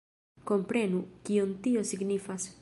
Komprenu, kion tio signifas!